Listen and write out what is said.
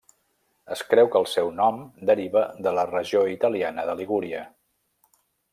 Es creu que el seu nom deriva de la regió italiana de Ligúria.